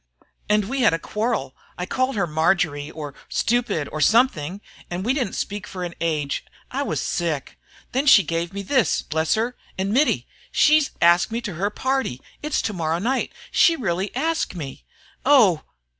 And we had a quarrel I called her Marjory, or stupid, or something we didn't speak for an age I was sick. Then she gave me this, bless her! And Mittie, she's asked me to her party it's to morrow night she really asked me. Oh!